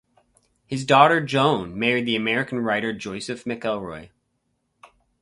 His daughter Joan married the American writer Joseph McElroy.